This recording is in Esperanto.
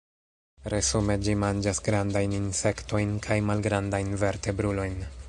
Resume ĝi manĝas grandajn insektojn kaj malgrandajn vertebrulojn.